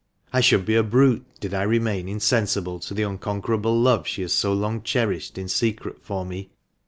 I should be a brute did I remain insensible to the unconquerable love she has so long cherished in secret for me.